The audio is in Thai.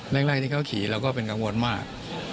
แรกที่เขาขี่เราก็เป็นกังวลมาก